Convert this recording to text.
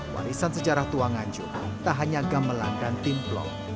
warisan sejarah tua nganjuk tak hanya gamelan dan timplong